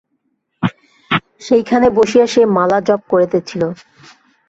সেইখানে বসিয়া সে মালা জপ করিতেছিল।